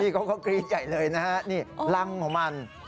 เขาก็กรี๊ดใหญ่เลยนะฮะนี่รังของมัน